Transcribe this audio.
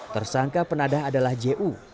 tersangka penadah adalah j u